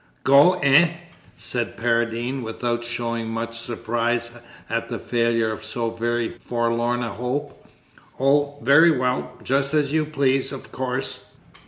"Go, eh?" said Paradine, without showing much surprise at the failure of so very forlorn a hope, "oh, very well, just as you please, of course.